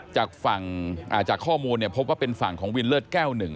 จากข้อมูลพบว่าเป็นฝั่งของวินเลิศแก้ว๑